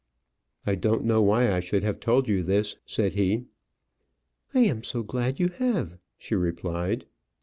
"I don't know why I should have told you this," said he. "I am so glad you have," she replied.